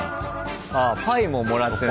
ああパイももらってね。